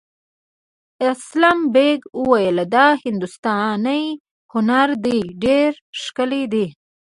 اسلم بېگ وویل دا هندوستاني هنر دی ډېر ښکلی دی.